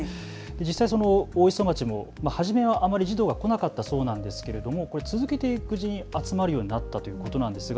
実際、大磯町も初めはあまり児童が来なかったそうなんですが続けていくうちに集まるようになったそうです。